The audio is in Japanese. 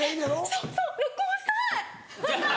そうそう録音したい！